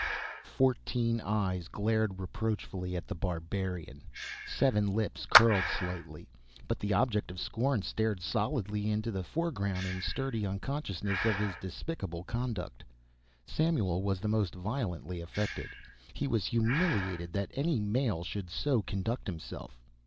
Fourteen eyes glared reproachfully at the barbarian; seven lips curled slightly; but the object of scorn stared stolidly into the foreground in sturdy unconsciousness of his despicable conduct. Samuel was the most violently affected. He was humiliated that any male should so conduct himself.